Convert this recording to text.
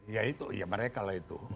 ya itu ya mereka lah itu